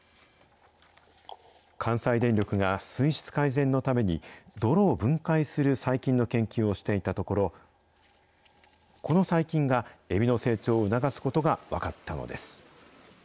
関西電力が水質改善のために、泥を分解する細菌の研究をしていたところ、この細菌がエビの成長を促すことが分かったのです。